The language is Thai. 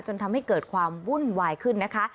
จนทำให้เกิดความวุ่นวายขึ้นนะคะ